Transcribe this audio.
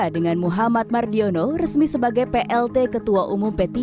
dengan muhammad mardiono resmi sebagai plt ketua umum p tiga